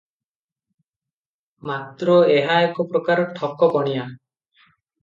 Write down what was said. ମାତ୍ର ଏହା ଏକ ପ୍ରକାର ଠକ ପଣିଆ ।